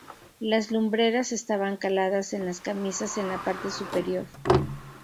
Las lumbreras estaban caladas en las camisas en la parte superior.